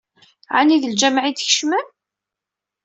Ɛni d lǧameɛ i d-tkecmem?